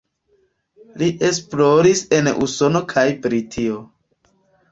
Li esploris en Usono kaj Britio.